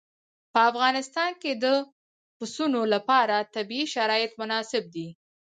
په افغانستان کې د پسونو لپاره طبیعي شرایط مناسب دي.